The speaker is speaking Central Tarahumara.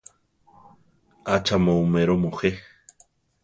¿ acha mu oméro mujé?